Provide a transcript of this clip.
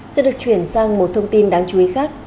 sẽ được chuyển sang một thông tin đáng chú ý khác